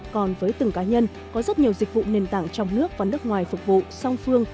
còn với từng cá nhân có rất nhiều dịch vụ nền tảng trong nước và nước ngoài phục vụ song phương